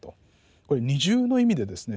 これ二重の意味でですね